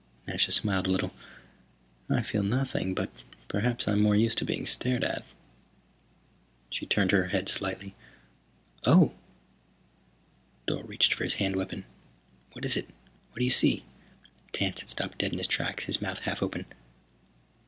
Nasha smiled a little. "I feel nothing, but perhaps I'm more used to being stared at." She turned her head slightly. "Oh!" Dorle reached for his hand weapon. "What is it? What do you see?" Tance had stopped dead in his tracks, his mouth half open.